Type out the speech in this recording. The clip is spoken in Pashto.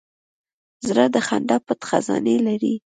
زړه د خندا پټ خزانې لري.